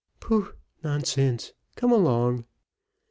"Pooh! nonsense! come along."